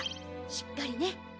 しっかりね。